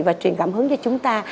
và truyền cảm hứng cho chúng ta